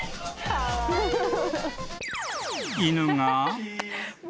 ［犬が］